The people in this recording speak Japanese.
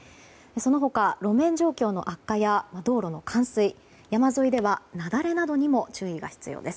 その他、路面状況の悪化や道路の冠水山沿いでは雪崩などにも注意が必要です。